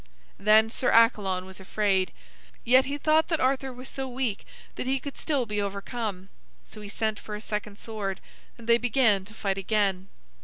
Then Sir Accalon was afraid. Yet he thought that Arthur was so weak that he could still be overcome. So he sent for a second sword, and they began to fight again.